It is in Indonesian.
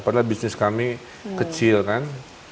padahal bisnis kami kecil kan